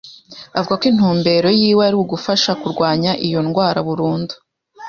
Avuga ko intumbero yiwe ari ugufasha kurwanya iyo ndwara burundu